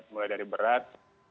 mulai dari berat